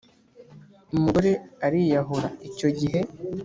umugore aliyahura icyo gihe.